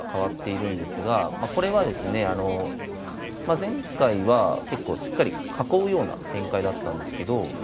前回は結構しっかり囲うような展開だったんですけど。